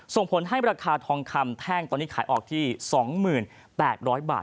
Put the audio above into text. ส่งผลให้ราคาทองคำแท่งตอนนี้ขายออกที่๒๘๐๐บาท